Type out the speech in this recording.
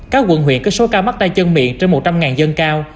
các quận huyện có số ca mắc tay chân miệng trên một trăm linh dân cao